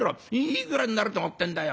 いくらになると思ってんだよ。